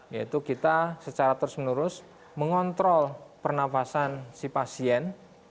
yaitu kita secara terus menerus mengontrol pernafasan si pasien